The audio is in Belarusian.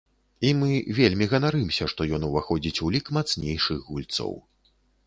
І мы вельмі ганарымся, што ён уваходзіць у лік мацнейшых гульцоў.